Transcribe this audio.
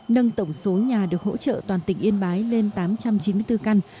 nâng tổng số nhà được hỗ trợ toàn tỉnh yên bái lên tám trăm chín mươi bốn căn